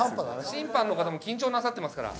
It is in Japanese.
審判の方も緊張なさってますから。